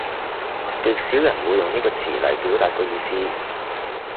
極少人會用呢個詞嚟表達個意思